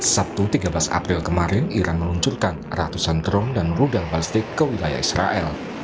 sabtu tiga belas april kemarin iran meluncurkan ratusan drong dan rudal balistik ke wilayah israel